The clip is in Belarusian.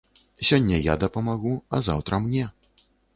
Сёння я дапамагу, а заўтра мне.